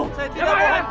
masih masih banyak barangmu